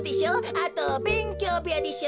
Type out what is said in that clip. あとべんきょうべやでしょ。